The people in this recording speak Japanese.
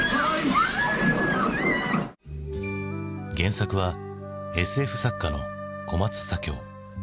原作はＳＦ作家の小松左京。